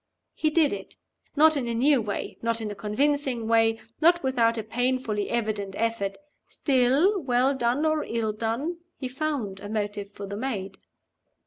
He did it! Not in a new way; not in a convincing way; not without a painfully evident effort. Still, well done or ill done, he found a motive for the maid.